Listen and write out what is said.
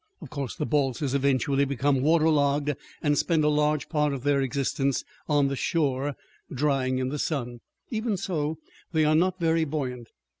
Of course the balsas eventually become water logged and spend a large part of their existence on the shore, drying in the sun. Even so, they are not very buoyant.